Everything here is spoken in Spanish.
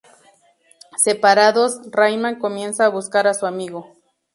Separados, Rayman comienza a buscar a su amigo.